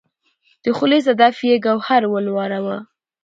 د خولې صدف یې ګوهر ولوراوه